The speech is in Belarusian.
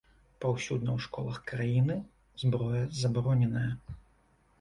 Паўсюдна ў школах краіны зброя забароненая.